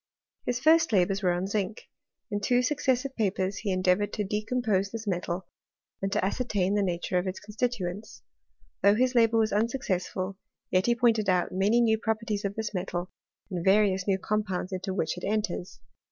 His first labours were on zinc ; in two successive fSfen he endeavoured to decompose this metal, and to ascertain the nature of its constituents. Though liis labour was unsuccessful , yet he pointed out many new properties of this metal, and various new com pounds into which it enters.